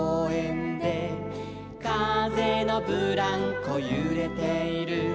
「かぜのブランコゆれている」